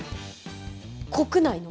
国内の？